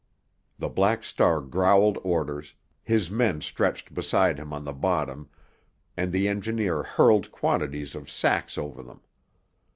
The Black Star growled orders, his men stretched beside him on the bottom, and the engineer hurled quantities of sacks over them.